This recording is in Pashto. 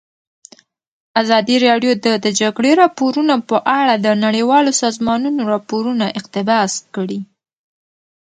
ازادي راډیو د د جګړې راپورونه په اړه د نړیوالو سازمانونو راپورونه اقتباس کړي.